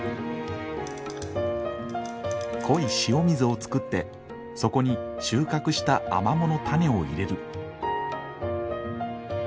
濃い塩水を作ってそこに収穫したアマモの種を入れる。